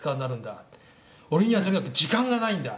俺にはとにかく時間がないんだ」って。